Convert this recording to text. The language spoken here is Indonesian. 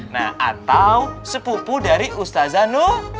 nah atau sepupu dari ustaz zanul